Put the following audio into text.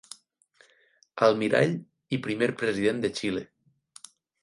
Almirall i primer President de Xile.